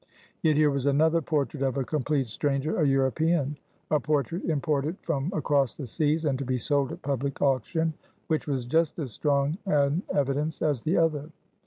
Yet here was another portrait of a complete stranger a European; a portrait imported from across the seas, and to be sold at public auction, which was just as strong an evidence as the other.